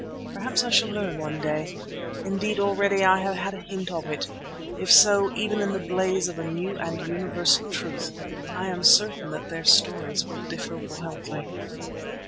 Perhaps I shall learn one day—indeed already I have had a hint of it. If so, even in the blaze of a new and universal Truth, I am certain that their stories will differ wildly.